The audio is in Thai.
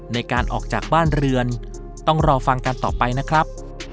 ในการออกจากบ้านเรือนต้องรอฟังกันต่อไปนะครับ